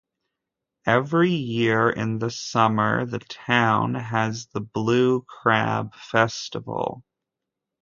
Every year in the summer, the town has the Blue Crab Festival.